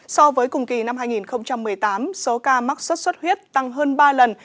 so với cùng kỳ năm hai nghìn một mươi tám số ca mắc sốt xuất huyết tăng hơn ba lần